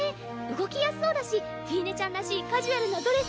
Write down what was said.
動きやすそうだしフィーネちゃんらしいカジュアルなドレス